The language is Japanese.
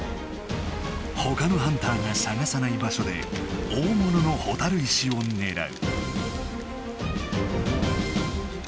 ほかのハンターが探さない場所で大物のほたる石をねらう。